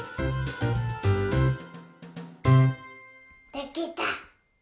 できた！